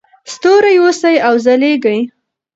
ستوري اوسئ او وځلیږئ.